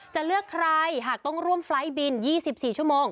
จะเลือกใครหากต้องร่วมไฟล์ทบิน๒๔ชั่วโมง